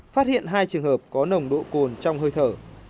phát hiện hai trường hợp có nồng độ cồn trong hơi thở